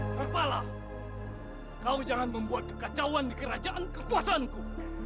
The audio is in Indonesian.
serpalah kau jangan membuat kekacauan di kerajaan kekuasaanku